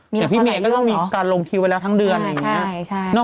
อย่างพี่เมย์ก็ต้องมีการลงคิวไว้แล้วทั้งเดือนอะไรอย่างนี้